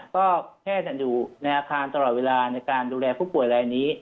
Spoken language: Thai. ก็แค่จะอยู่ในอาคารตลอดเวลาในการดูแลผู้ป่วยรายนี้